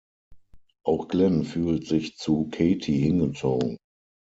Auch Glenn fühlt sich zu Katie hingezogen.